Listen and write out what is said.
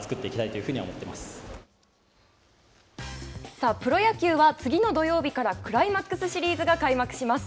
さあ、プロ野球は次の土曜日からクライマックスシリーズが開幕します。